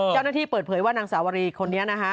เจ้าหน้าที่เปิดเผยว่านางสาวรีคนนี้นะคะ